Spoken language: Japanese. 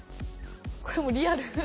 これもリアル。